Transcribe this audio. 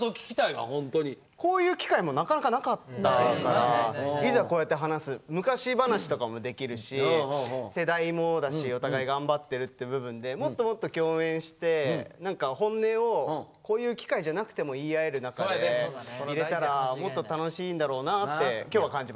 こういう機会もなかなかなかったからいざこうやって話す昔話とかもできるし世代もだしお互い頑張ってるって部分でもっともっと共演して何かホンネをこういう機会じゃなくても言い合える仲でいれたらもっと楽しいんだろうなって今日は感じましたね。